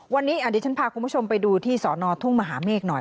วันนี้ดิฉันพาคุณผู้ชมไปดูที่สอนอทุ่งมหาเมฆหน่อย